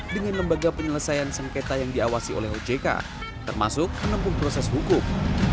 dengan lembaga penyelesaian sengketa yang diawasi oleh ojk termasuk menempuh proses hukum